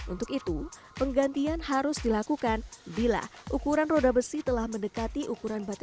untuk itu penggantian harus dilakukan bila ukuran roda besi telah mendekati ukuran batu